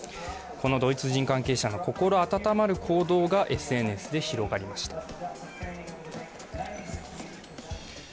このドイツ人関係者の心温まる行動がＳＮＳで広がりました。